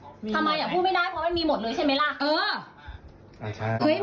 ทำไมอ่ะพูดไม่ได้เพราะมันมีหมดเลยใช่ไหมล่ะ